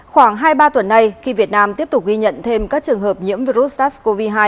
khoảng hai ba tuần nay khi việt nam tiếp tục ghi nhận thêm các trường hợp nhiễm virus sars cov hai